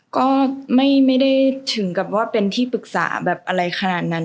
ก็ไม่ได้ถึงกับว่าเป็นที่ปรึกษาแบบอะไรขนาดนั้น